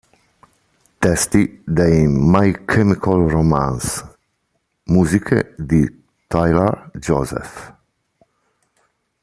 Testi dei My Chemical Romance, musiche di Tyler Joseph.